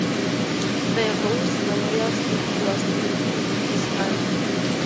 The Rous Memorial Stakes was named in his honour.